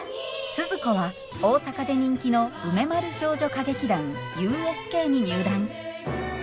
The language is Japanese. スズ子は大阪で人気の梅丸少女歌劇団ＵＳＫに入団。